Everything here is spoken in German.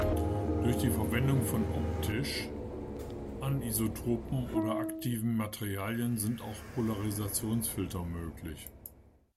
Durch die Verwendung von optisch anisotropen oder aktiven Materialien sind auch Polarisationsfilter möglich.